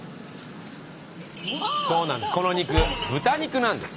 そうなんです。